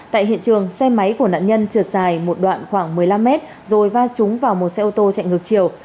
tại hiện trường xe máy của nạn nhân trượt dài một đoạn khoảng một mươi năm mét rồi va trúng vào một xe ô tô chạy ngược chiều